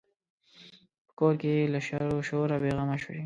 په کور کې یې له شر و شوره بې غمه شي.